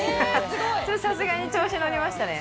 さすがに調子乗りましたね。